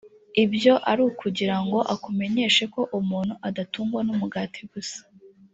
ibyo ari ukugira ngo akumenyeshe ko umuntu adatungwa n’umugati gusa